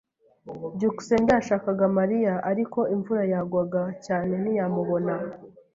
byukusenge yashakaga Mariya, ariko imvura yagwaga cyane ntiyamubona.